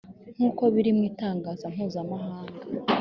nk’uko biri mu itangazo mpuzamahanga